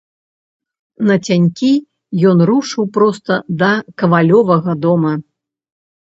Нацянькі ён рушыў проста да кавалёвага дома.